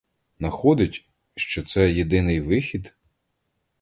Находить, що це єдиний вихід?